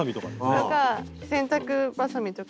それか洗濯ばさみとか。